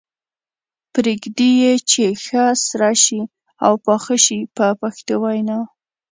پرېږدي یې چې ښه سره شي او پاخه شي په پښتو وینا.